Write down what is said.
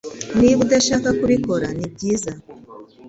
Niba udashaka kubikora nibyiza